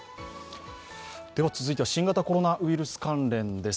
続いては新型コロナウイルス関連です。